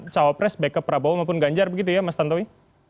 cawapres baik ke prabowo maupun ganjar begitu ya mas tantowi